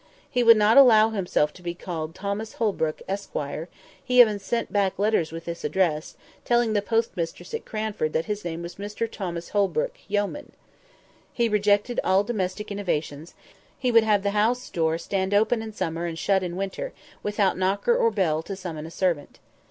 He would not allow himself to be called Thomas Holbrook, Esq.; he even sent back letters with this address, telling the post mistress at Cranford that his name was Mr Thomas Holbrook, yeoman. He rejected all domestic innovations; he would have the house door stand open in summer and shut in winter, without knocker or bell to summon a servant.